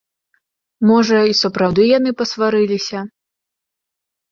Можа, і сапраўды яны пасварыліся.